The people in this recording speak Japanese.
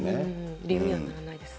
理由にはならないですね。